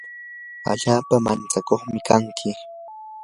allaapa mantsakuqmi kanki.